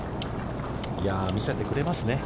見せてくれますね。